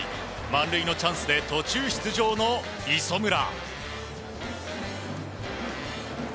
満塁のチャンスで途中出場の磯村。